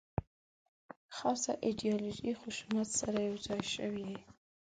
خاصه ایدیالوژي خشونت سره یو ځای شوې.